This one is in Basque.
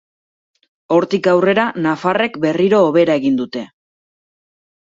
Hortik aurrera, nafarrek berriro hobera egin dute.